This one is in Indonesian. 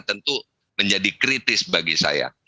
tentu menjadi kritis bagi saya